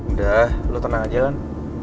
udah lu tenang aja kan